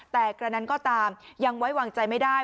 แต่กระนั้นก็ตามยังไว้วางใจไม่ได้